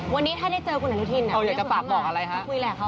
วันนี้ถ้าได้เจอคุณอลูทีนคุณคุยแหละกับเขา